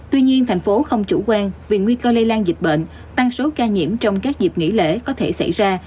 tuy nhiên thành phố không chủ quan vì nguy cơ lây lan dịch bệnh tăng số ca nhiễm trong các dịp nghỉ lễ có thể xảy ra